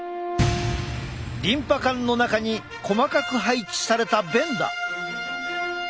リンパ管の中に細かく配置された弁だ。